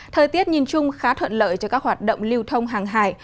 thời tiết nhìn chung khá thuận lợi cho các hoạt động lưu thông hàng hải